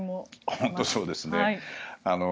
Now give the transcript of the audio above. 本当にそうですね。